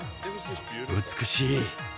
美しい。